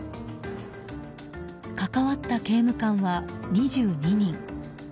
関わった刑務官は２２人。